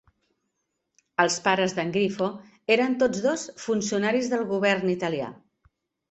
Els pares d'en Grifo eren tots dos funcionaris del govern italià.